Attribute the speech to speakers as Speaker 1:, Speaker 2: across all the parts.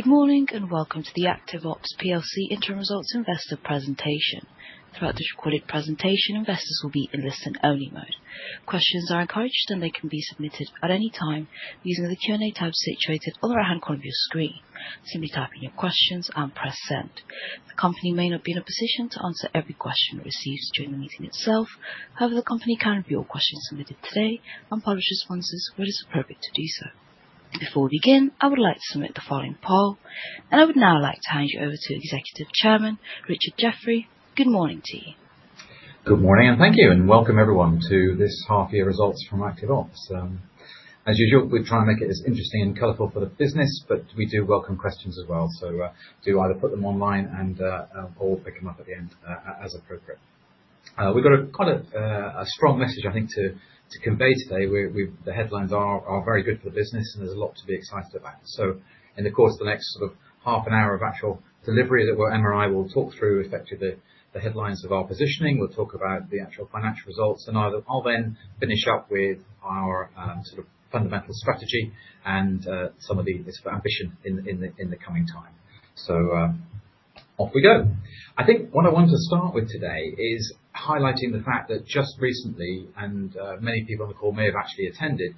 Speaker 1: Good morning, and welcome to the ActiveOps PLC Interim Results Investor Presentation. Throughout this recorded presentation, investors will be in listen-only mode. Questions are encouraged, and they can be submitted at any time using the Q&A tab situated on the right-hand corner of your screen. Simply type in your questions and press Send. The company may not be in a position to answer every question received during the meeting itself. However, the company can review all questions submitted today and publish responses where it is appropriate to do so. Before we begin, I would like to submit the following poll, and I would now like to hand you over to the Executive Chairman, Richard Jeffery. Good morning to you.
Speaker 2: Good morning, and thank you, and welcome everyone to this half-year results from ActiveOps. As usual, we try and make it as interesting and colorful for the business, we do welcome questions as well. Do either put them online and or pick them up at the end as appropriate. We've got a quite, a, strong message, I think, to convey today. The headlines are very good for the business, there's a lot to be excited about. In the course of the next sort of half an hour of actual delivery, that where Emma and I will talk through, effectively, the headlines of our positioning. We'll talk about the actual financial results. I'll then finish up with our sort of fundamental strategy and this ambition in the coming time. Off we go. I think what I want to start with today is highlighting the fact that just recently, many people on the call may have actually attended,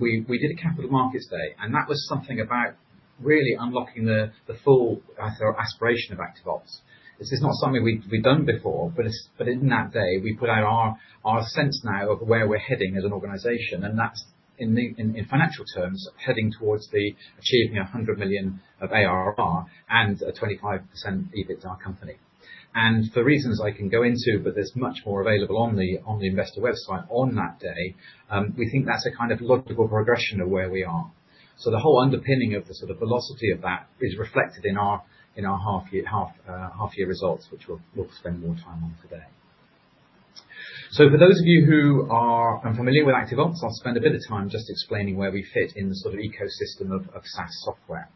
Speaker 2: we did a Capital Markets Day. That was something about really unlocking the full sort of aspiration of ActiveOps. This is not something we've done before, but in that day, we put out our sense now of where we're heading as an organization. That's in financial terms, heading towards achieving 100 million of ARR and a 25% EBITDA company. The reasons I can go into, but there's much more available on the investor website on that day, we think that's a kind of logical progression of where we are. The whole underpinning of the sort of velocity of that is reflected in our half year results, which we'll spend more time on today. For those of you who are unfamiliar with ActiveOps, I'll spend a bit of time just explaining where we fit in the sort of ecosystem of SaaS software.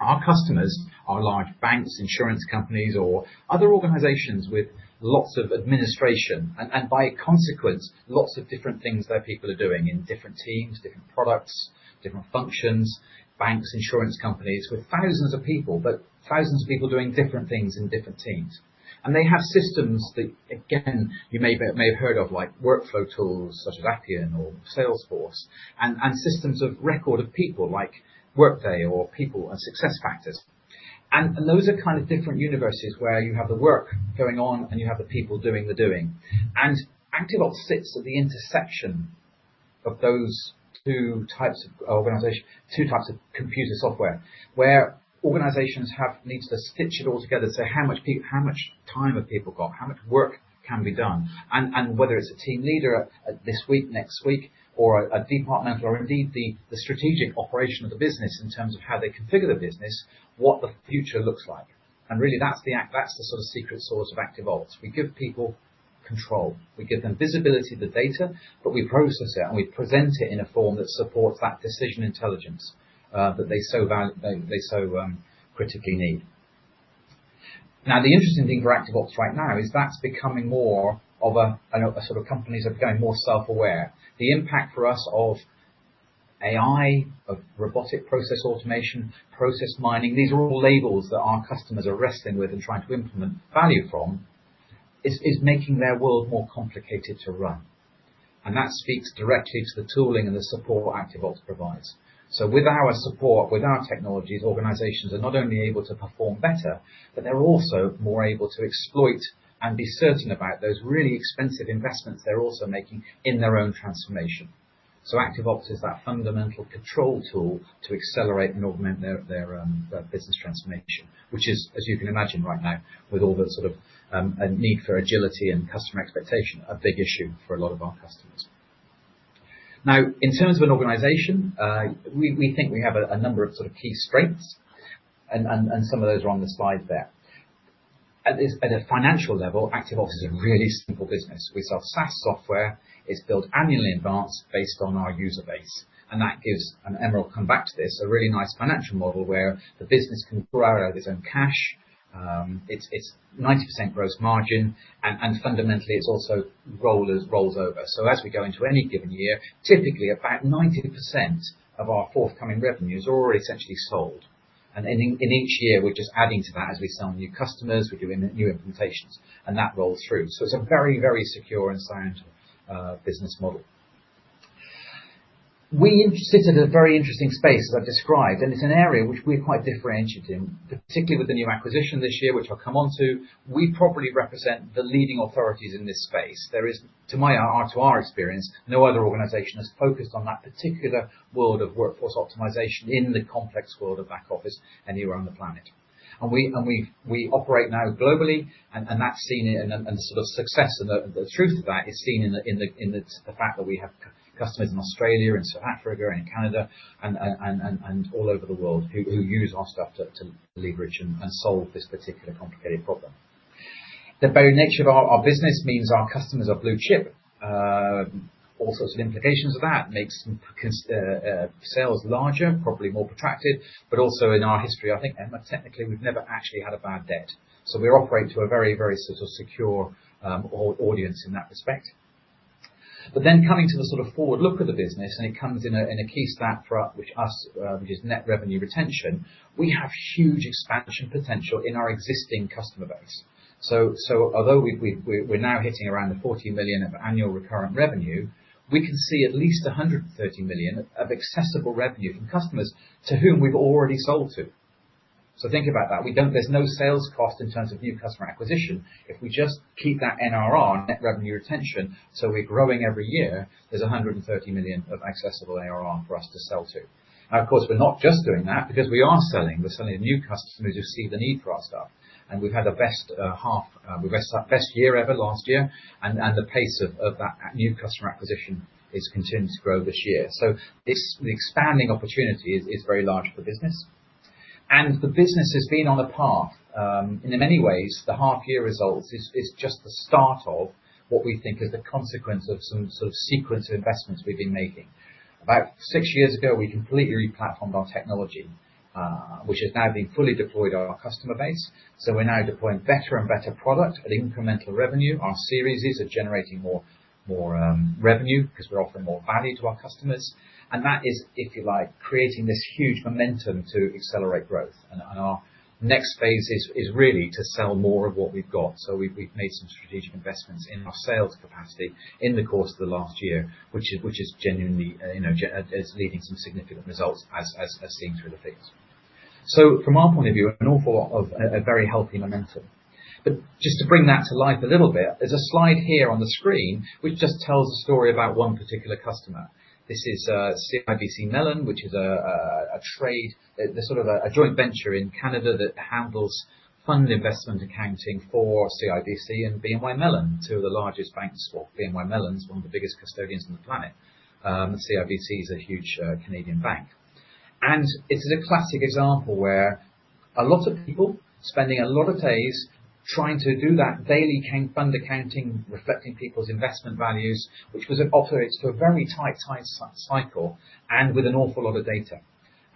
Speaker 2: Our customers are large banks, insurance companies, or other organizations with lots of administration, and by consequence, lots of different things their people are doing in different teams, different products, different functions, banks, insurance companies, with thousands of people, but thousands of people doing different things in different teams. They have systems that, again, you may have heard of, like workflow tools such as Appian or Salesforce, systems of record of people like Workday or People and SuccessFactors. Those are kind of different universes where you have the work going on, and you have the people doing the doing. ActiveOps sits at the intersection of those two types of organization, two types of computer software, where organizations have needs to stitch it all together to say, how much time have people got? How much work can be done? Whether it's a team leader this week, next week, or a departmental or indeed, the strategic operation of the business in terms of how they configure the business, what the future looks like. Really, that's the sort of secret source of ActiveOps. We give people control. We give them visibility of the data, but we process it, and we present it in a form that supports that Decision Intelligence that they so critically need. The interesting thing for ActiveOps right now is that's becoming more of a sort of companies are becoming more self-aware. The impact for us of AI, of robotic process automation, process mining, these are all labels that our customers are wrestling with and trying to implement value from, is making their world more complicated to run. That speaks directly to the tooling and the support ActiveOps provides. With our support, with our technologies, organizations are not only able to perform better, but they're also more able to exploit and be certain about those really expensive investments they're also making in their own transformation. ActiveOps is that fundamental control tool to accelerate and augment their business transformation, which is, as you can imagine right now, with all the sort of a need for agility and customer expectation, a big issue for a lot of our customers. In terms of an organization, we think we have a number of sort of key strengths, and some of those are on the slide there. At a financial level, ActiveOps is a really simple business. We sell SaaS software. It's billed annually in advance based on our user base, and that gives, and Emma will come back to this, a really nice financial model where the business can grow out of its own cash. It's 90% gross margin, and fundamentally, it also rolls over. As we go into any given year, typically about 90% of our forthcoming revenue is already essentially sold. In each year, we're just adding to that as we sell new customers, we're doing new implementations, and that rolls through. It's a very, very secure and sound business model. We sit in a very interesting space, as I've described, and it's an area which we're quite differentiated in, particularly with the new acquisition this year, which I'll come onto. We properly represent the leading authorities in this space. There is, to my, to our experience, no other organization has focused on that particular world of Workforce Optimization in the complex world of back office, anywhere on the planet. We operate now globally, and that's seen in the, sort of, success of the-- The truth of that is seen in the fact that we have customers in Australia and South Africa and Canada and all over the world who use our stuff to leverage and solve this particular complicated problem. The very nature of our business means our customers are blue chip, all sorts of implications of that makes sales larger, probably more protracted, but also in our history, I think, Emma, technically, we've never actually had a bad debt. We operate to a very sort of secure audience in that respect. Coming to the sort of forward look of the business, and it comes in a key stat for us, which is net revenue retention, we have huge expansion potential in our existing customer base. Although we're now hitting around 40 million of annual recurrent revenue, we can see at least 130 million of accessible revenue from customers to whom we've already sold to. Think about that. We don't. There's no sales cost in terms of new customer acquisition. If we just keep that NRR, net revenue retention, so we're growing every year, there's 130 million of accessible ARR for us to sell to. Of course, we're not just doing that because we are selling. We're selling to new customers who see the need for our stuff. We've had the best half, the best year ever last year, and the pace of that new customer acquisition is continuing to grow this year. This, the expanding opportunity is very large for the business. The business has been on a path, in many ways, the half year results is just the start of what we think is a consequence of some sort of sequence of investments we've been making. About six years ago, we completely replatformed our technology, which has now been fully deployed on our customer base. We're now deploying better and better product at incremental revenue. Our Series are generating more revenue because we're offering more value to our customers. That is, if you like, creating this huge momentum to accelerate growth. Our next phase is really to sell more of what we've got. We've made some strategic investments in our sales capacity in the course of the last year, which is genuinely, you know, leading some significant results as seen through the fees. From our point of view, an awful lot of very healthy momentum. Just to bring that to life a little bit, there's a slide here on the screen which just tells a story about one particular customer. This is CIBC Mellon, which is a joint venture in Canada that handles fund investment accounting for CIBC and BNY Mellon, two of the largest banks. Well, BNY Mellon is one of the biggest custodians on the planet. CIBC is a huge Canadian bank. This is a classic example where a lot of people spending a lot of days trying to do that daily bank fund accounting, reflecting people's investment values, which was operates to a very tight cycle, and with an awful lot of data.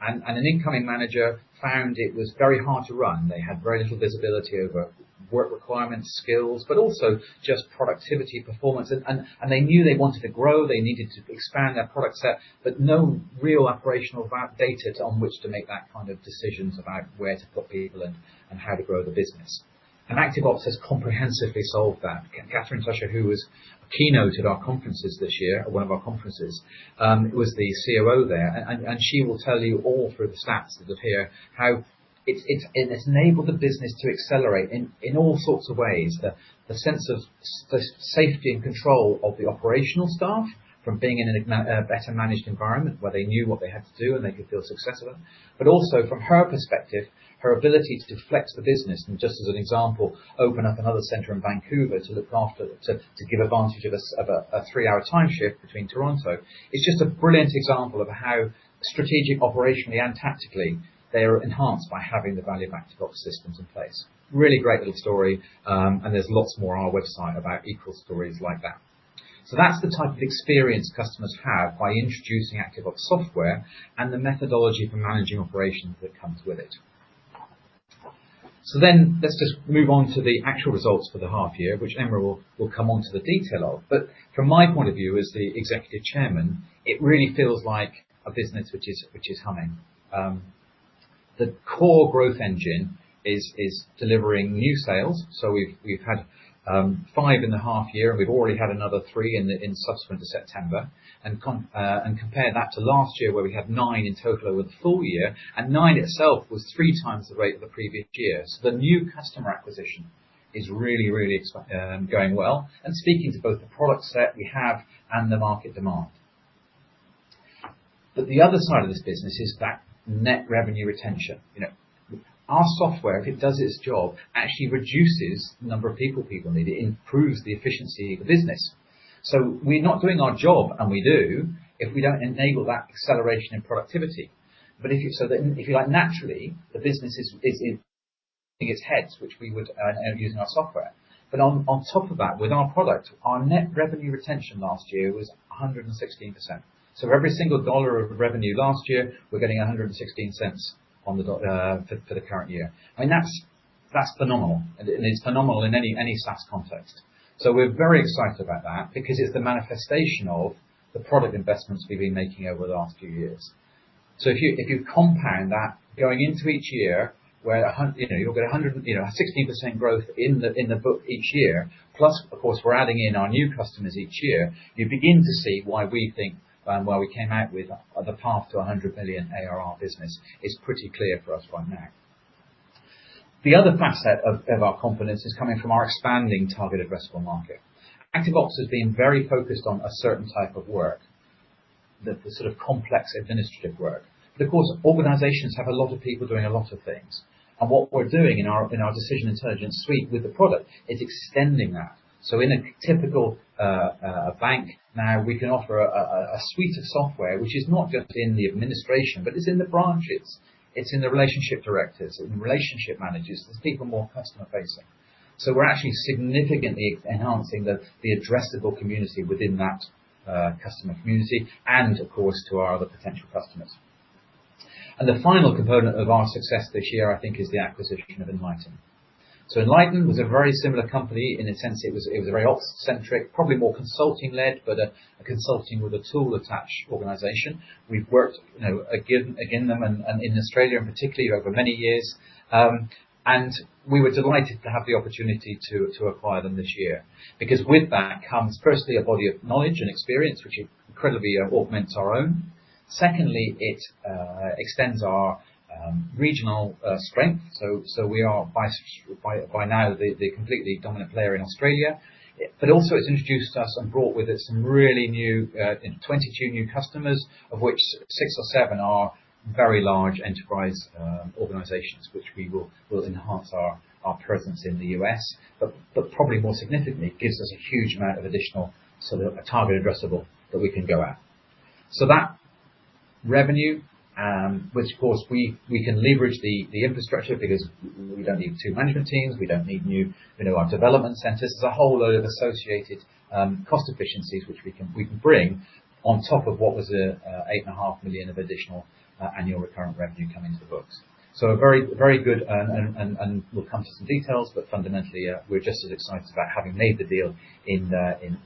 Speaker 2: An incoming manager found it was very hard to run. They had very little visibility over work requirements, skills, but also just productivity, performance. They knew they wanted to grow, they needed to expand their product set, but no real operational data on which to make that kind of decisions about where to put people and how to grow the business. ActiveOps has comprehensively solved that. Catherine Thrasher, who was keynoted our conferences this year, at one of our conferences, was the COO there, and she will tell you all through the stats that appear, how it's enabled the business to accelerate in all sorts of ways. The sense of safety and control of the operational staff from being in a better managed environment where they knew what they had to do, and they could feel successful. But also from her perspective, her ability to flex the business and just as an example, open up another center in Vancouver to look after, to give advantage of a three-hour time shift between Toronto. It's just a brilliant example of how strategic, operationally and tactically, they are enhanced by having the value of ActiveOps systems in place. Really great little story, and there's lots more on our website about equal stories like that. That's the type of experience customers have by introducing ActiveOps software and the methodology for managing operations that comes with it. Let's just move on to the actual results for the half year, which Emma will come on to the detail of, but from my point of view as the Executive Chairman, it really feels like a business which is humming. The core growth engine is delivering new sales. We've had five in the half year, and we've already had another three in subsequent to September. Compare that to last year, where we had nine in total over the full year, and nine itself was 3x the rate of the previous year. The new customer acquisition is really going well, speaking to both the product set we have and the market demand. The other side of this business is that net revenue retention. You know, our software, if it does its job, actually reduces the number of people need. It improves the efficiency of the business. We're not doing our job if we don't enable that acceleration in productivity. If you like, naturally, the business is in its heads, which we would using our software. On top of that, with our product, our net revenue retention last year was 116%. Every single dollar of revenue last year, we're getting $1.16 for the current year. That's phenomenal. It's phenomenal in any SaaS context. We're very excited about that because it's the manifestation of the product investments we've been making over the last few years. If you compound that going into each year, where you know, you'll get a 16% growth in the book each year, plus, of course, we're adding in our new customers each year, you begin to see why we think why we came out with the path to a 100 million ARR business is pretty clear for us right now. The other facet of our confidence is coming from our expanding target addressable market. ActiveOps has been very focused on a certain type of work, the sort of complex administrative work. Of course, organizations have a lot of people doing a lot of things. What we're doing in our, in our Decision Intelligence suite with the product is extending that. In a typical bank, now we can offer a suite of software, which is not just in the administration, but it's in the branches, it's in the relationship directors, in relationship managers. It's even more customer facing. We're actually significantly enhancing the addressable community within that customer community and of course, to our other potential customers. The final component of our success this year, I think, is the acquisition of Enlighten. Enlighten was a very similar company in a sense. It was very ox-centric, probably more consulting-led, but a consulting with a tool-attached organization. We've worked, you know, again, them and in Australia, and particularly over many years. We were delighted to have the opportunity to acquire them this year, because with that comes, firstly, a body of knowledge and experience, which incredibly augments our own. Secondly, it extends our regional strength. We are by now the completely dominant player in Australia. Also it's introduced us and brought with it some really new 22 new customers, of which six or seven are very large enterprise organizations, which we will enhance our presence in the U.S. Probably more significantly, it gives us a huge amount of additional sort of a target addressable that we can go at. That revenue, which of course, we can leverage the infrastructure because we don't need two management teams, we don't need new. You know, our development centers. There's a whole load of associated cost efficiencies, which we can bring on top of what was 8.5 million of additional annual recurrent revenue coming into the books. A very, very good and we'll come to some details, but fundamentally, we're just as excited about having made the deal in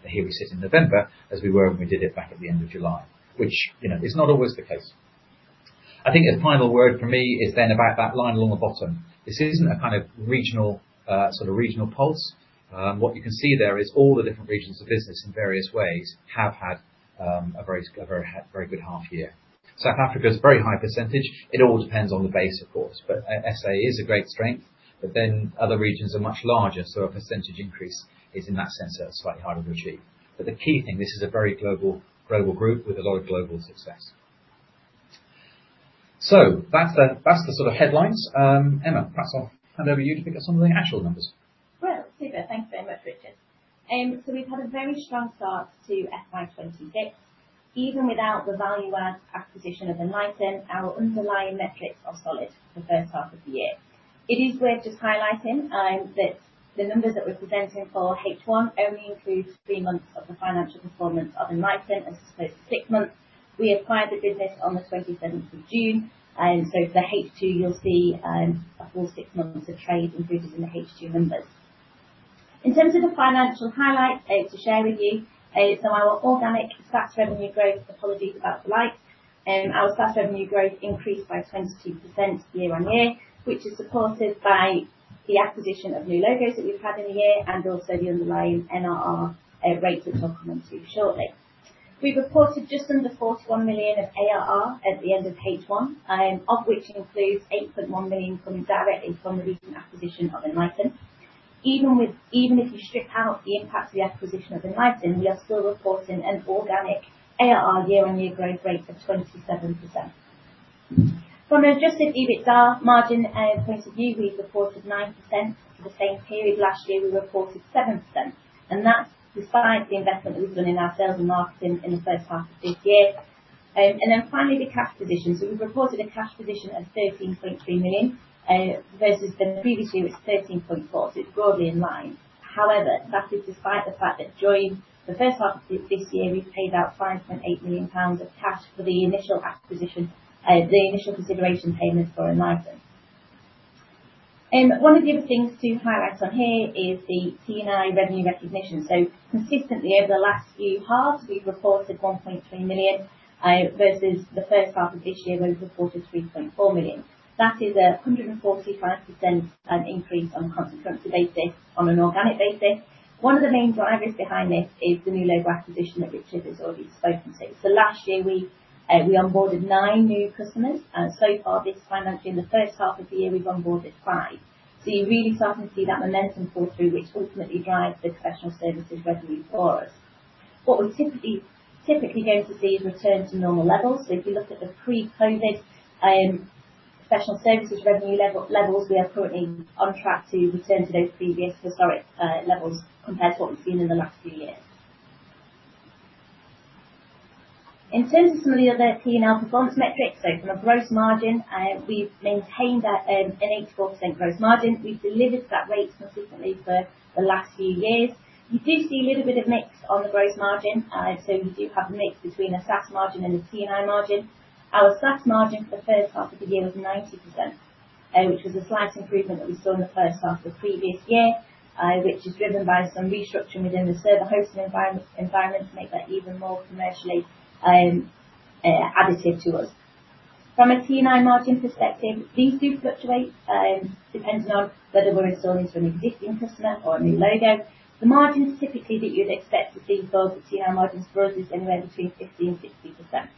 Speaker 2: here we sit in November, as we were when we did it back at the end of July, which, you know, is not always the case. I think a final word from me is then about that line along the bottom. This isn't a kind of regional, sort of regional pulse. What you can see there is all the different regions of business in various ways, have had a very good half year. South Africa is a very high percentage. It all depends on the base, of course, but SA is a great strength, but then other regions are much larger, so a percentage increase is in that sense, slightly harder to achieve. The key thing, this is a very global group with a lot of global success. That's the sort of headlines. Emma, perhaps I'll hand over to you to pick up some of the actual numbers.
Speaker 3: Well, super. Thanks very much, Richard. We've had a very strong start to FY 2026. Even without the value add acquisition of Enlighten, our underlying metrics are solid for the first half of the year. It is worth just highlighting that the numbers that we're presenting for H1 only include three months of the financial performance of Enlighten, as opposed to six months. We acquired the business on the 27th of June, for H2, you'll see a full six months of trade included in the H2 numbers. In terms of the financial highlights, to share with you, our organic SaaS revenue growth, apologies about the light, our SaaS revenue growth increased by 22% year-on-year, which is supported by the acquisition of new logos that we've had in the year and also the underlying NRR rates, which I'll come onto shortly. We've reported just under 41 million of ARR at the end of H1, of which includes 8.1 million coming directly from the recent acquisition of Enlighten. Even if you strip out the impact of the acquisition of Enlighten, we are still reporting an organic ARR year-on-year growth rate of 27%. From an adjusted EBITDA margin point of view, we've reported 9%. For the same period last year, we reported 7%, that's despite the investment that we've done in our sales and marketing in the first half of this year. Finally, the cash position. We've reported a cash position of 13.3 million versus the previous year, it was 13.4 million. It's broadly in line. However, that is despite the fact that during the first half of this year, we paid out 5.8 million pounds of cash for the initial acquisition, the initial consideration payments for Enlighten. One of the other things to highlight on here is the T&I revenue recognition. Consistently over the last few halves, we've reported 1.2 million versus the first half of this year, where we reported 3.4 million. That is 145% increase on a consequences basis, on an organic basis. One of the main drivers behind this is the new logo acquisition that Richard has already spoken to. Last year we onboarded nine new customers, and so far this financially, in the first half of the year, we've onboarded five. You're really starting to see that momentum fall through, which ultimately drives the professional services revenue for us. What we're typically going to see is return to normal levels. If you look at the pre-COVID professional services revenue levels, we are currently on track to return to those previous historic levels compared to what we've seen in the last few years. In terms of some of the other P&L performance metrics, From a gross margin, we've maintained a 84% gross margin. We've delivered that rate consistently for the last few years. You do see a little bit of mix on the gross margin. You do have a mix between a SaaS margin and a T&I margin. Our SaaS margin for the first half of the year was 90%, which was a slight improvement that we saw in the first half of the previous year, which is driven by some restructuring within the server hosting environment to make that even more commercially additive to us. From a T&I margin perspective, these do fluctuate depending on whether we're installing for an existing customer or a new logo. The margins typically that you'd expect to see for the T&I margins for us is anywhere between 50% to 60%.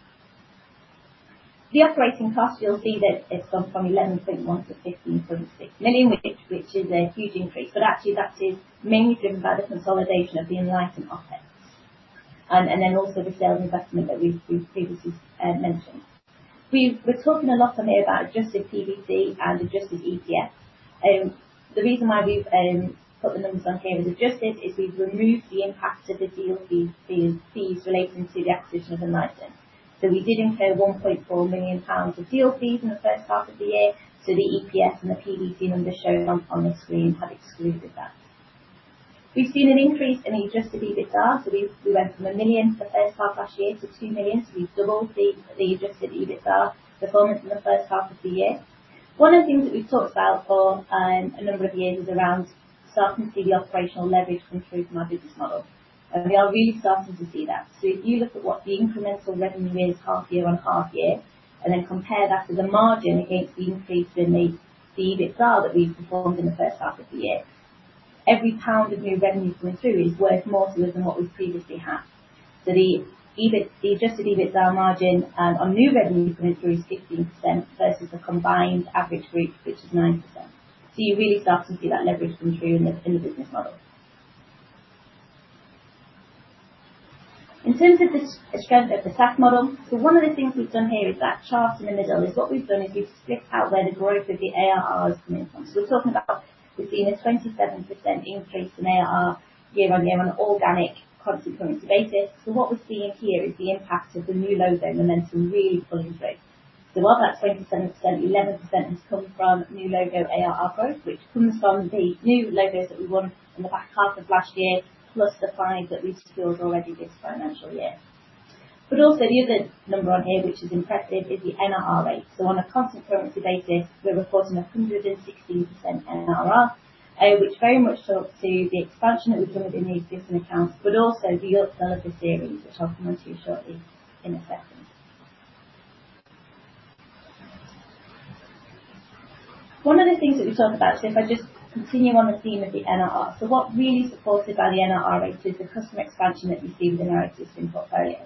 Speaker 3: The operating costs, you'll see that it's gone from 11.1 to 15.6 million, which is a huge increase, actually that is mainly driven by the consolidation of the Enlighten OpEx, also the sales investment that we've previously mentioned. We're talking a lot on here about adjusted PBT and adjusted EPS. The reason why we've put the numbers on here as adjusted is we've removed the impact of the deal fees relating to the acquisition of Enlighten. We did incur 1.4 million pounds of deal fees in the first half of the year, the EPS and the PBT numbers shown on the screen have excluded that. We've seen an increase in adjusted EBITDA. We went from 1 million for the first half last year to 2 million. We've doubled the adjusted EBITDA performance in the first half of the year. One of the things that we've talked about for a number of years is around starting to see the operational leverage come through from our business model. We are really starting to see that. If you look at what the incremental revenue is half year on half year, then compare that to the margin against the increase in the EBITDA that we've performed in the first half of the year, every pound of new revenue coming through is worth more to us than what we previously had. The EBIT, the adjusted EBITDA margin on new revenue coming through is 16% versus the combined average group, which is 9%. You're really starting to see that leverage come through in the business model. In terms of the strength of the SaaS model, one of the things we've done here is that chart in the middle, what we've done is we've split out where the growth of the ARR is coming from. We're talking about we're seeing a 27% increase in ARR year-on-year on an organic constant currency basis. What we're seeing here is the impact of the new logo momentum really pulling through. While that 27%, 11% has come from new logo ARR growth, which comes from the new logos that we won in the back half of last year, plus the five that we secured already this financial year. Also the other number on here, which is impressive, is the NRR rate. On a constant currency basis, we're reporting 116% NRR, which very much talks to the expansion that we've done within the existing accounts, but also the upsell of the series, which I'll come on to shortly in a second. One of the things that we talked about, if I just continue on the theme of the NRR, what really supported by the NRR rate is the customer expansion that we see within our existing portfolio.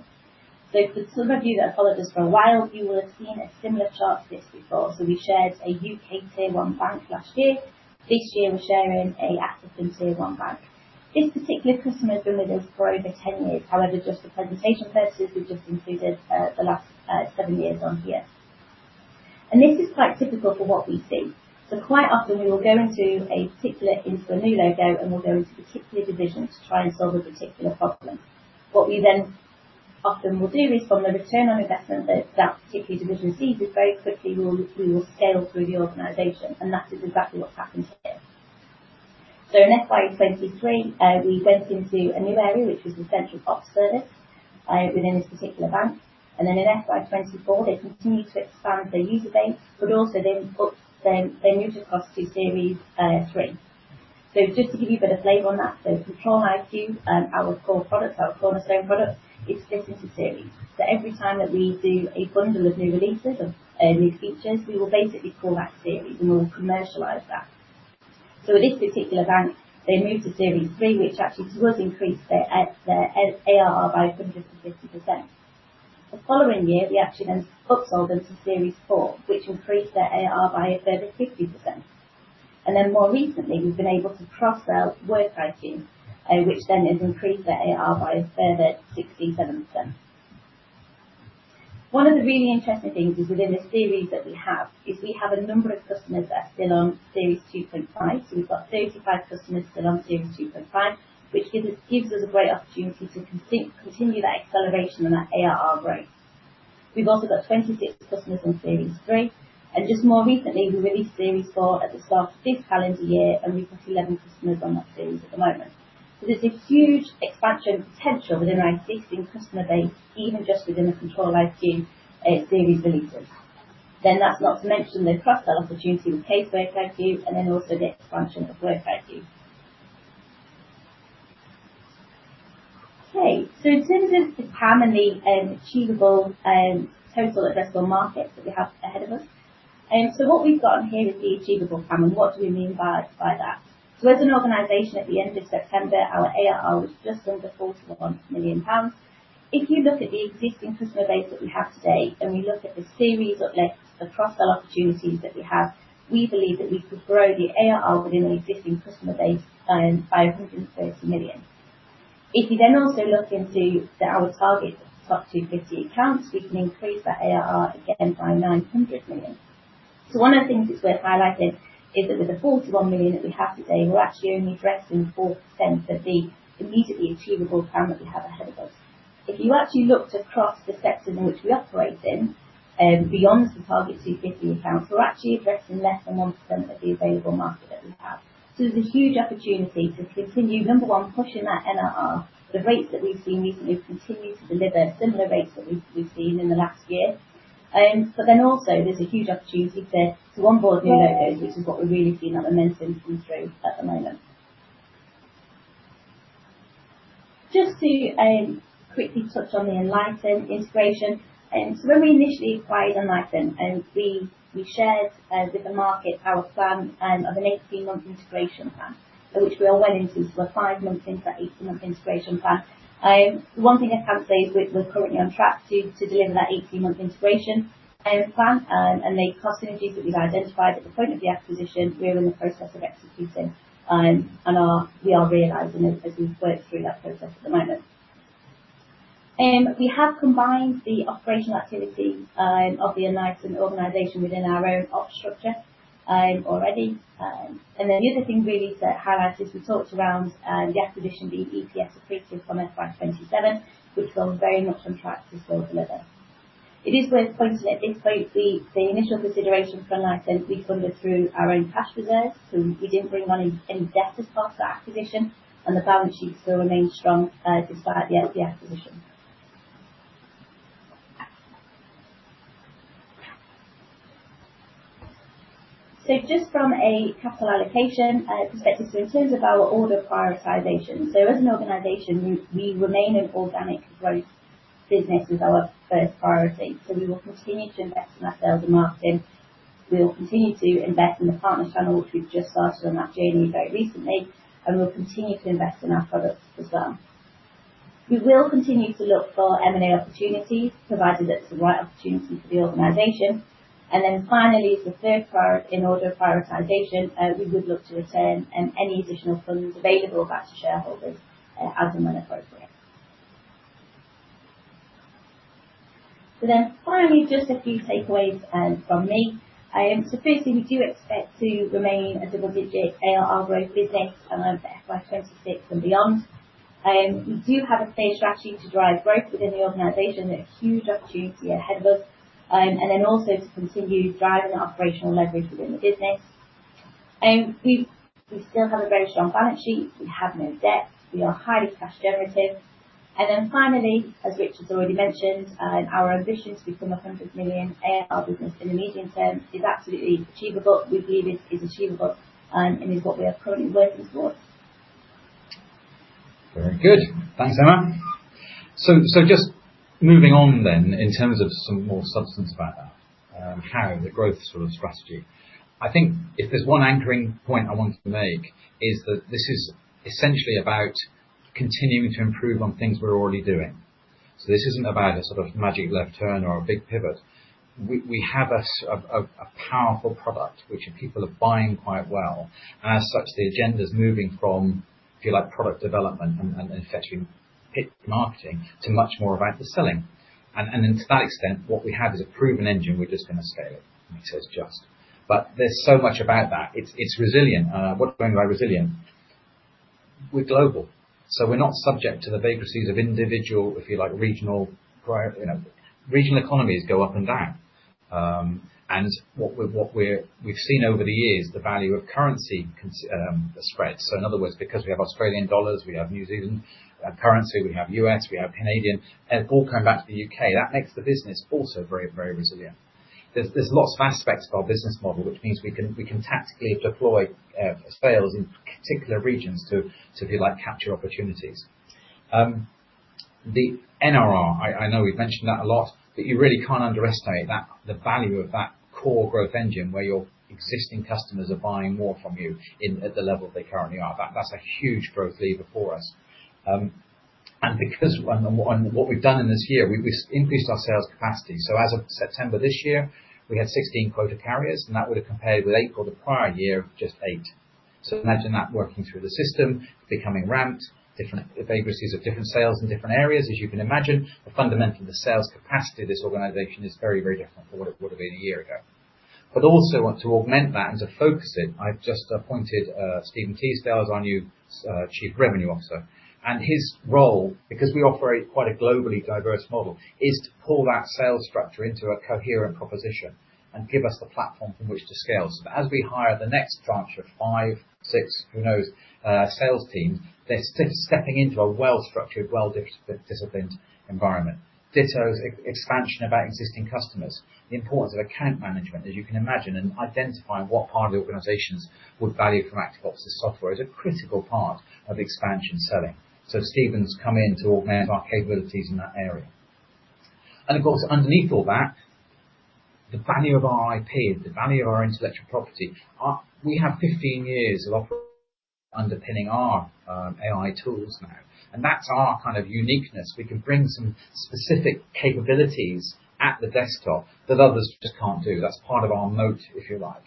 Speaker 3: For some of you that have followed us for a while, you will have seen a similar chart to this before. We shared a U.K. Tier 1 bank last year. This year, we're sharing a African Tier 1 bank. This particular customer has been with us for over 10 years. However, just for presentation purposes, we've just included the last seven years on here. This is quite typical for what we see. Quite often we will go into a new logo, and we'll go into a particular division to try and solve a particular problem. What we then often will do is, from the return on investment that that particular division receives, is very quickly we will scale through the organization, that is exactly what's happened here. In FY 2023, we went into a new area, which was the Central Ops service within this particular bank. In FY 2024, they continued to expand their user base, but also they moved up their unit of cost to Series 3. Just to give you a bit of flavor on that, ControliQ, our core product, our cornerstone product, it's split into series. Every time that we do a bundle of new releases of new features, we will basically call that series, and we will commercialize that. At this particular bank, they moved to Series 3, which actually does increase their ARR by 150%. The following year, we actually then upsold them to Series 4, which increased their ARR by a further 50%. More recently, we've been able to cross-sell WorkiQ, which then has increased their ARR by a further 67%. One of the really interesting things is within the series that we have, is we have a number of customers that are still on Series 2.5. We've got 35 customers still on Series 2.5, which gives us a great opportunity to continue that acceleration on that ARR growth. We've also got 26 customers on Series 3, and just more recently, we released Series 4 at the start of this calendar year, and we've got 11 customers on that series at the moment. There's this huge expansion potential within our existing customer base, even just within the ControliQ series releases. That's not to mention the cross-sell opportunity with CaseworkiQ, and then also the expansion of WorkiQ. In terms of the TAM and the achievable total addressable markets that we have ahead of us, what we've got on here is the achievable TAM, and what do we mean by that? As an organization at the end of September, our ARR was just under 41 million pounds. If you look at the existing customer base that we have today, and we look at the series uplift, the cross-sell opportunities that we have, we believe that we could grow the ARR within the existing customer base by 130 million. If you also look into our target top 250 accounts, we can increase that ARR again by 900 million. One of the things that's worth highlighting is that with the 41 million that we have today, we're actually only addressing 4% of the immediately achievable TAM that we have ahead of us. If you actually look across the sectors in which we operate in, beyond the target 250 accounts, we're actually addressing less than 1% of the available market that we have. There's a huge opportunity to continue, number one, pushing that NRR. The rates that we've seen recently have continued to deliver similar rates that we've seen in the last year. Also there's a huge opportunity to onboard new logos, which is what we're really seeing that momentum come through at the moment. Just to quickly touch on the Enlighten integration. When we initially acquired Enlighten, we shared with the market our plan of an 18-month integration plan, which we are well into. We're five months into that 18-month integration plan. One thing I can say is we're currently on track to deliver that 18-month integration plan. The cost synergies that we've identified at the point of the acquisition, we are in the process of executing, and we are realizing them as we work through that process at the moment. We have combined the operational activity of the Enlighten organization within our own op structure already. The other thing really to highlight is we talked around the acquisition, the EPS accretive from FY 2027, which we're very much on track to still deliver. It is worth pointing at this point, the initial consideration for Enlighten, we funded through our own cash reserves, so we didn't bring on any debt as part of the acquisition, and the balance sheet still remains strong, despite the acquisition. Just from a capital allocation perspective, in terms of our order prioritization. As an organization, we remain an organic growth business as our first priority. We will continue to invest in our sales and marketing. We will continue to invest in the partner channel, which we've just started on that journey very recently, and we'll continue to invest in our products as well. We will continue to look for M&A opportunities, provided it's the right opportunity for the organization. Finally, the third in order of prioritization, we would look to return any additional funds available back to shareholders as and when appropriate. Finally, just a few takeaways from me. Firstly, we do expect to remain a double-digit ARR growth business for FY 2026 and beyond. We do have a clear strategy to drive growth within the organization. There's huge opportunity ahead of us, and then also to continue driving that operational leverage within the business. We still have a very strong balance sheet. We have no debt, we are highly cash generative. Finally, as Richard's already mentioned, our ambition to become a 100 million ARR business in the medium term is absolutely achievable. We believe it is achievable, and is what we are currently working towards.
Speaker 2: Very good. Thanks, Emma. Just moving on then, in terms of some more substance about that, how the growth sort of strategy. I think if there's one anchoring point I wanted to make, is that this is essentially about continuing to improve on things we're already doing. This isn't about a sort of magic left turn or a big pivot. We have a powerful product, which people are buying quite well. As such, the agenda's moving from, if you like, product development and effectively marketing, to much more about the selling. Then to that extent, what we have is a proven engine. We're just gonna scale it. I say it's just, but there's so much about that. It's resilient. What do I mean by resilient? We're global, so we're not subject to the vagaries of individual, if you like, regional prior... You know, regional economies go up and down. We've seen over the years, the value of currency con spread. In other words, because we have Australian dollars, we have New Zealand currency, we have U.S., we have Canadian, all coming back to the U.K., that makes the business also very, very resilient. There's lots of aspects of our business model, which means we can tactically deploy sales in particular regions to, if you like, capture opportunities. The NRR, I know we've mentioned that a lot, but you really can't underestimate the value of that core growth engine where your existing customers are buying more from you in, at the level they currently are. That's a huge growth lever for us. What we've done in this year, we've increased our sales capacity. As of September this year, we had 16 quota carriers, and that would have compared with eight, or the prior year, just 8. Imagine that working through the system, becoming ramped, different, the vagaries of different sales in different areas, as you can imagine, fundamentally, the sales capacity of this organization is very, very different from what it would have been a year ago. Also, to augment that and to focus it, I've just appointed Steven Teasdale as our new Chief Revenue Officer, his role, because we operate quite a globally diverse model, is to pull that sales structure into a coherent proposition and give us the platform from which to scale. As we hire the next tranche of five, six, who knows, sales teams, they're stepping into a well-structured, well-disciplined environment. Ditto, expansion about existing customers, the importance of account management, as you can imagine, and identifying what part of the organizations would value from ActiveOps' software is a critical part of expansion selling. Steven's come in to augment our capabilities in that area. Of course, underneath all that, the value of our IP, the value of our intellectual property. We have 15 years of underpinning our AI tools now, and that's our kind of uniqueness. We can bring some specific capabilities at the desktop that others just can't do. That's part of our moat, if you like.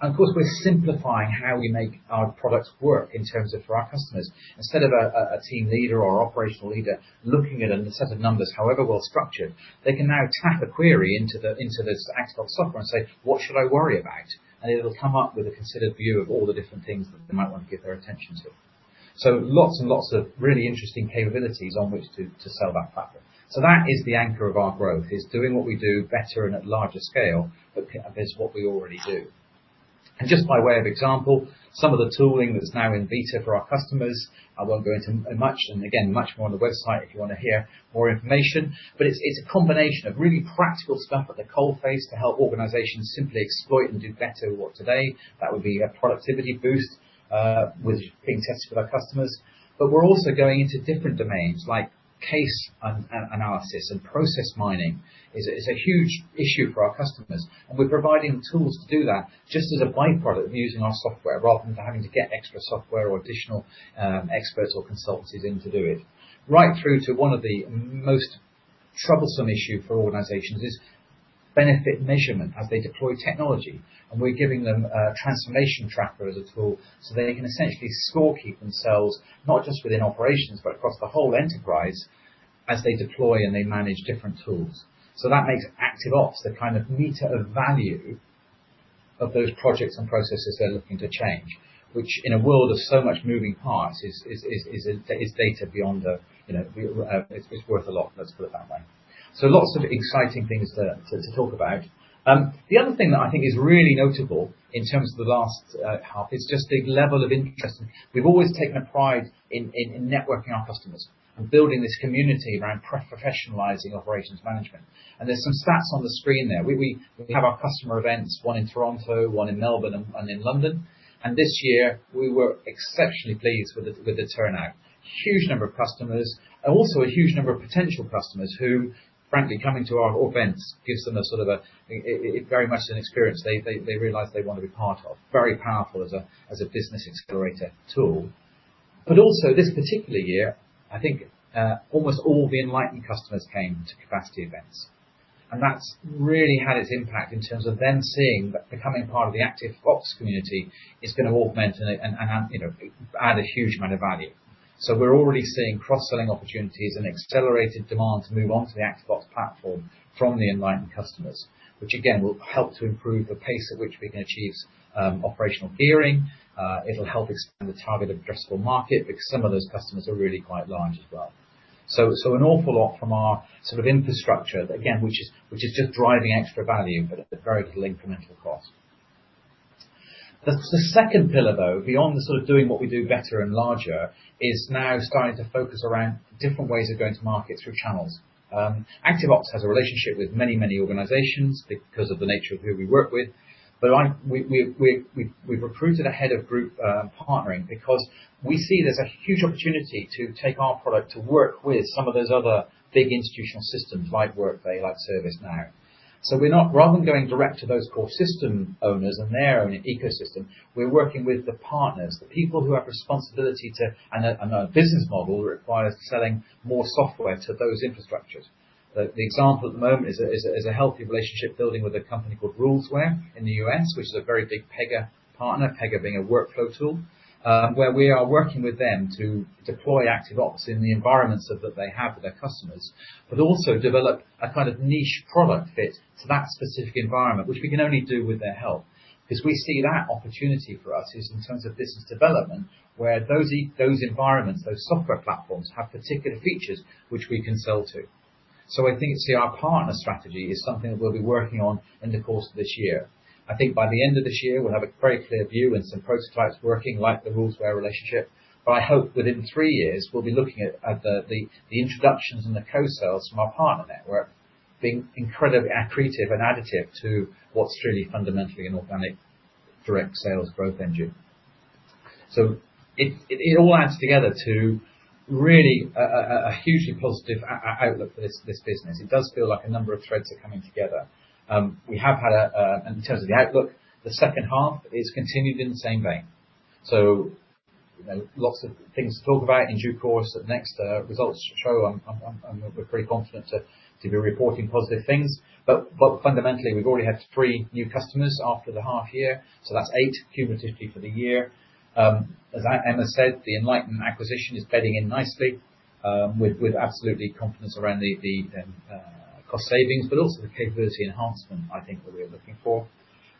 Speaker 2: Of course, we're simplifying how we make our products work in terms of for our customers. Instead of a team leader or operational leader looking at a set of numbers, however well structured, they can now tap a query into this ActiveOps software and say, "What should I worry about?" It'll come up with a considered view of all the different things that they might want to give their attention to. Lots and lots of really interesting capabilities on which to sell that platform. That is the anchor of our growth, is doing what we do better and at larger scale, but is what we already do. Just by way of example, some of the tooling that's now in beta for our customers, I won't go into much, and again, much more on the website if you want to hear more information, but it's a combination of really practical stuff at the coalface to help organizations simply exploit and do better what today. That would be a productivity boost, which is being tested by our customers. We're also going into different domains, like case analysis and process mining. It's a huge issue for our customers, and we're providing tools to do that just as a by-product of using our software, rather than having to get extra software or additional experts or consultants in to do it. Right through to one of the most troublesome issue for organizations is benefit measurement as they deploy technology, and we're giving them a transformation tracker as a tool, so they can essentially scorekeep themselves, not just within operations, but across the whole enterprise as they deploy and they manage different tools. That makes ActiveOps a kind of meter of value of those projects and processes they're looking to change, which in a world of so much moving parts, is data beyond the, it's worth a lot, let's put it that way. Lots of exciting things to talk about. The other thing that I think is really notable in terms of the last half, is just the level of interest. We've always taken a pride in networking our customers and building this community around pro-professionalizing operations management. There's some stats on the screen there. We have our customer events, one in Toronto, one in Melbourne, and in London. This year we were exceptionally pleased with the turnout. Huge number of customers, and also a huge number of potential customers who, frankly, coming to our events gives them a sort of a very much an experience they realize they want to be part of. Very powerful as a business accelerator tool. Also this particular year, I think, almost all the Enlighten customers came to Capacity events, and that's really had its impact in terms of them seeing that becoming part of the ActiveOps community is gonna augment and, you know, add a huge amount of value. We're already seeing cross-selling opportunities and accelerated demand to move on to the ActiveOps platform from the Enlighten customers, which again, will help to improve the pace at which we can achieve operational gearing. It'll help expand the target addressable market because some of those customers are really quite large as well. An awful lot from our sort of infrastructure, again, which is just driving extra value, but at very little incremental cost. The second pillar, though, beyond the sort of doing what we do better and larger, is now starting to focus around different ways of going to market through channels. ActiveOps has a relationship with many, many organizations because of the nature of who we work with. But we've recruited a head of group partnering because we see there's a huge opportunity to take our product to work with some of those other big institutional systems like Workday, like ServiceNow. Rather than going direct to those core system owners and their own ecosystem, we're working with the partners, the people who have responsibility to-- A business model requires selling more software to those infrastructures. The example at the moment is a healthy relationship building with a company called Rulesware in the U.S., which is a very big Pega partner, Pega being a workflow tool, where we are working with them to deploy ActiveOps in the environments that they have for their customers, but also develop a kind of niche product fit to that specific environment, which we can only do with their help. 'Cause we see that opportunity for us is in terms of business development, where those environments, those software platforms, have particular features which we can sell to. I think, see, our partner strategy is something that we'll be working on in the course of this year. I think by the end of this year, we'll have a very clear view and some prototypes working, like the Rulesware relationship. I hope within three years, we'll be looking at the introductions and the co-sales from our partner network being incredibly accretive and additive to what's really fundamentally an organic direct sales growth engine. It all adds together to really a hugely positive outlook for this business. It does feel like a number of threads are coming together. In terms of the outlook, the second half is continued in the same vein. You know, lots of things to talk about in due course. At next results show, I'm pretty confident to be reporting positive things. Fundamentally, we've already had three new customers after the half year, so that's eight cumulatively for the year. As I almost said, the Enlighten acquisition is bedding in nicely, with absolutely confidence around the cost savings, but also the capability enhancement I think that we're looking for.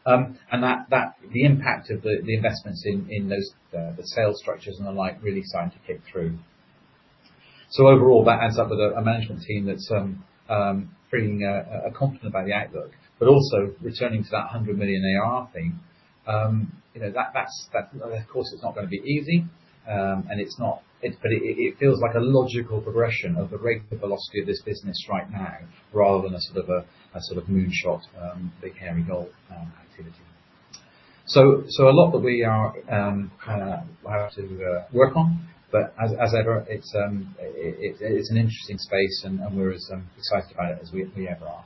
Speaker 2: The impact of the investments in the sales structures and the like, really starting to kick through. Overall, that adds up with a management team that's bringing a confident about the outlook, but also returning to that 100 million ARR thing. You know, that's, of course, it's not gonna be easy, and it feels like a logical progression of the rate and the velocity of this business right now, rather than a sort of a moonshot, big hairy goal activity. A lot that we are kinda have to work on, but as ever, it's it is an interesting space and we're as excited about it as we ever are.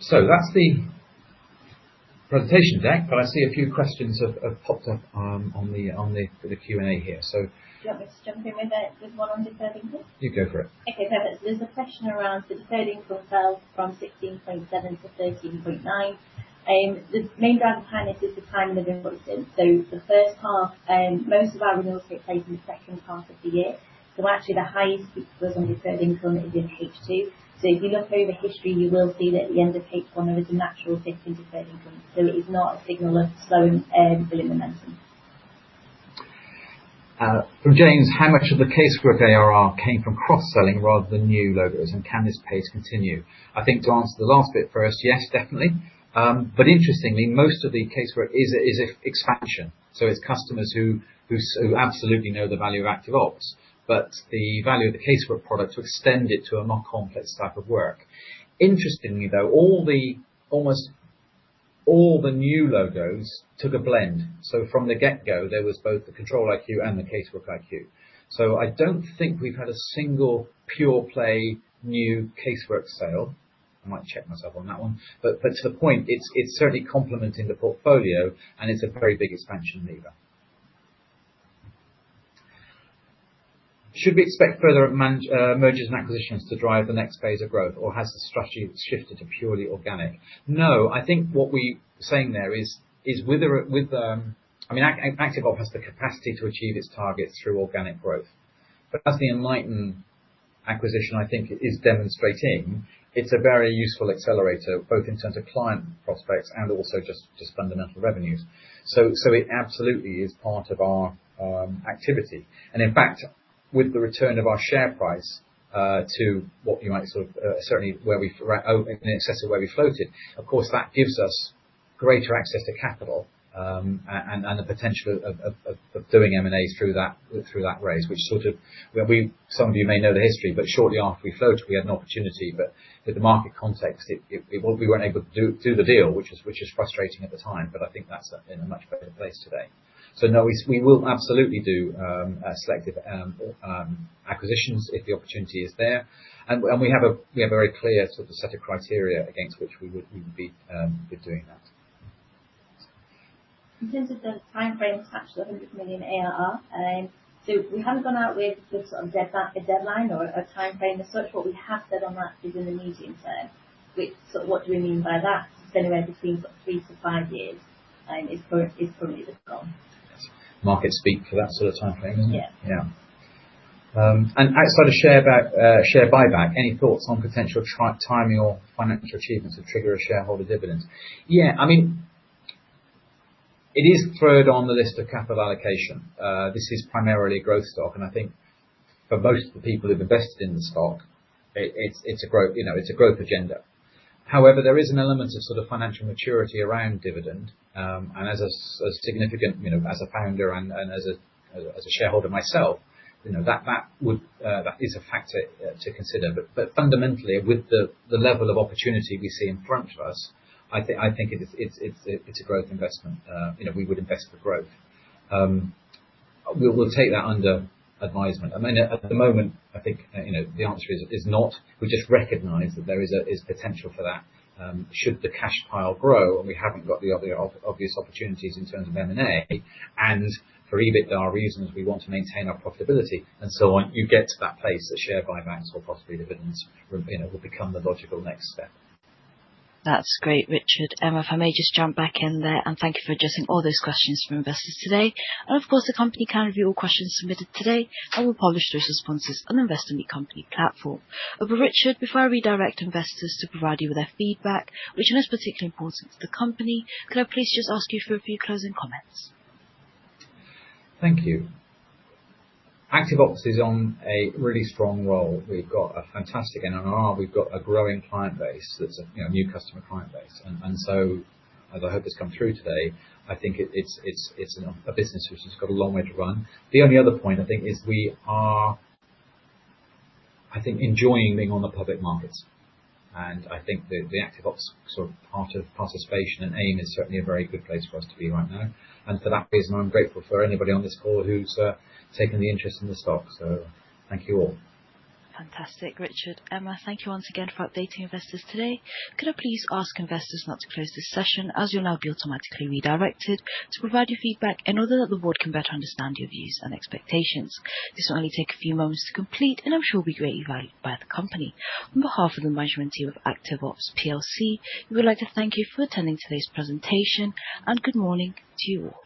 Speaker 2: That's the presentation deck, but I see a few questions have popped up on the Q&A here.
Speaker 3: Do you want me to jump in with the, with one on deferred income?
Speaker 2: Yeah, go for it.
Speaker 3: Okay, perfect. There's a question around deferred income sales from 16.7 million to 13.9 million. The main driver behind this is the timing of invoices. The first half, most of our renewals take place in the second half of the year. Actually the highest was on deferred income is in H2. If you look over history, you will see that at the end of H1, there is a natural dip into deferred income. It is not a signal of slowing billing momentum.
Speaker 2: From James: How much of the CaseworkiQ ARR came from cross-selling rather than new logos, and can this pace continue? I think to answer the last bit first, yes, definitely. Interestingly, most of the CaseworkiQ is a expansion, so it's customers who absolutely know the value of ActiveOps, but the value of the CaseworkiQ product to extend it to a more complex type of work. Interestingly, though, almost all the new logos took a blend. From the get-go, there was both the ControliQ and the CaseworkiQ. I don't think we've had a single pure play, new CaseworkiQ sale. I might check myself on that one, but to the point, it's certainly complementing the portfolio, and it's a very big expansion lever. Should we expect further mergers and acquisitions to drive the next phase of growth, or has the strategy shifted to purely organic? I think what we saying there is whether with. I mean, ActiveOps has the capacity to achieve its targets through organic growth. As the Enlighten acquisition, I think, is demonstrating it's a very useful accelerator, both in terms of client prospects and also just fundamental revenues. It absolutely is part of our activity. In fact, with the return of our share price to what you might certainly in excess of where we floated, of course, that gives us greater access to capital and the potential of doing M&As through that, through that raise, which some of you may know the history, but shortly after we floated, we had an opportunity, but with the market context, it, we weren't able to do the deal, which is frustrating at the time, but I think that's in a much better place today. No, we will absolutely do selective acquisitions if the opportunity is there. We have a very clear set of criteria against which we would be doing that.
Speaker 3: In terms of the time frame attached to the 100 million ARR, we haven't gone out with a deadline or a time frame as such. What we have said on that is in the medium term, which sort of what do we mean by that? It's anywhere between three to five years, and it's probably the goal.
Speaker 2: Market speak for that sort of time frame?
Speaker 3: Yeah.
Speaker 2: Yeah. As for the share buyback, any thoughts on potential timing or financial achievements to trigger a shareholder dividend? Yeah, I mean, it is third on the list of capital allocation. This is primarily a growth stock, and I think for most of the people who invest in the stock, it's a growth, you know, it's a growth agenda. However, there is an element of sort of financial maturity around dividend, and as a significant, you know, as a founder and as a shareholder myself, you know, that would, that is a factor to consider. Fundamentally, with the level of opportunity we see in front of us, I think it's a growth investment. You know, we would invest for growth. We'll take that under advisement. I mean, at the moment, I think, you know, the answer is not. We just recognize that there is a potential for that, should the cash pile grow, we haven't got the other obvious opportunities in terms of M&A, for EBITDA reasons, we want to maintain our profitability, and so on. You get to that place, the share buybacks or possibly dividends, you know, will become the logical next step.
Speaker 1: That's great, Richard, Emma. If I may just jump back in there and thank you for addressing all those questions from investors today. Of course, the company can review all questions submitted today and will publish those responses on the Investor Meet Company platform. Richard, before I redirect investors to provide you with their feedback, which is particularly important to the company, could I please just ask you for a few closing comments?
Speaker 2: Thank you. ActiveOps is on a really strong roll. We've got a fantastic NRR, we've got a growing client base that's a, you know, new customer client base, and so as I hope has come through today, I think it's a business which has got a long way to run. The only other point, I think, is we are, I think, enjoying being on the public markets, and I think the ActiveOps sort of part of participation and AIM is certainly a very good place for us to be right now. For that reason, I'm grateful for anybody on this call who's taken the interest in the stock. Thank you all.
Speaker 1: Fantastic, Richard, Emma. Thank you once again for updating investors today. Could I please ask investors not to close this session, as you'll now be automatically redirected to provide your feedback and know that the board can better understand your views and expectations. This will only take a few moments to complete, and I'm sure will be greatly valued by the company. On behalf of the management team of ActiveOps PLC, we would like to thank you for attending today's presentation, and good morning to you all.